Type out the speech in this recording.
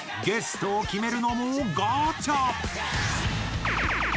ゲストを決めるのも、ガチャ。